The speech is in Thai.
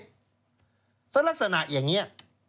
ลักษณะอย่างนี้